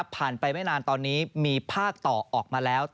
ไปไม่นานตอนนี้มีภาคต่อออกมาแล้ว